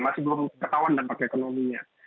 masih belum ketahuan dampak ekonominya